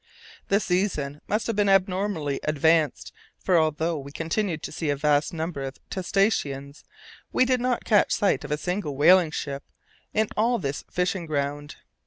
The season must have been abnormally advanced, for although we continued to see a vast number of testaceans, we did not catch sight of a single whaling ship in all this fishing ground.